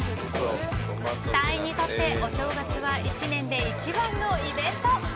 隊員にとってお正月は１年で一番のイベント。